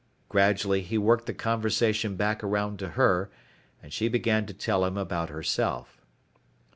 Gradually he worked the conversation back around to her, and she began to tell him about herself.